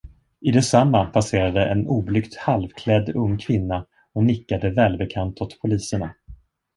I detsamma passerade en oblygt halvklädd ung kvinna och nickade välbekant åt poliserna.